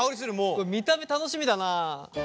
これ見た目楽しみだなあ。